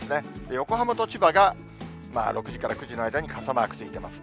横浜と千葉が６時から９時の間に傘マークついています。